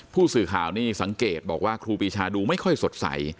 ผู้สื่อข่าวนี่สังเกตบอกว่าครูปีชาดูไม่ค่อยสดใส